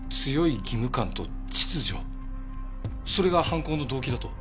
それが犯行の動機だと？